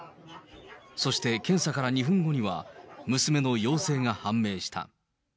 そして検査から２分後には、娘の陽性が判明した。